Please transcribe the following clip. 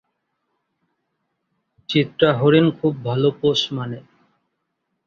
চিত্রা হরিণ খুব ভাল পোষ মানে।